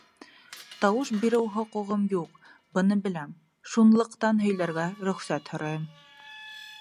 — Тауыш биреү хоҡуғым юҡ, быны беләм, шунлыҡтан һөйләргә рөхсәт һорайым.